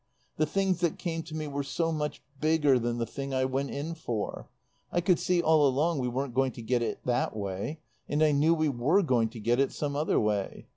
The things that came to me were so much bigger than the thing I went in for. I could see all along we weren't going to get it that way. And I knew we were going to get it some other way.